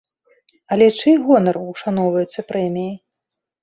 Але чый гонар ушаноўваецца прэміяй?